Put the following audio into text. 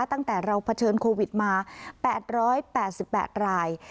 ตั้งแต่เราเผชิญโควิดมา๘๘ราย